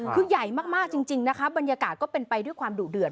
คือใหญ่มากจริงนะคะบรรยากาศก็เป็นไปด้วยความดุเดือด